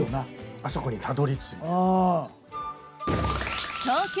あそこにたどり着いてさ。